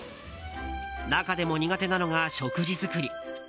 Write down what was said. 中でも苦手なのが食事作り。